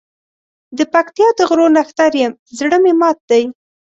دپکتیا د غرو نښتر یم زړه مي مات دی